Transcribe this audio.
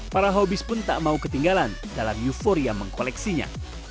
para hobis pun tak mau ketinggalan dalam euforia mengkoleksinya